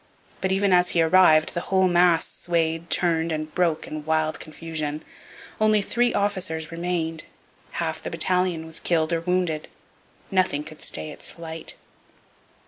But, even as he arrived, the whole mass swayed, turned, and broke in wild confusion. Only three officers remained. Half the battalion was killed or wounded. Nothing could stay its flight.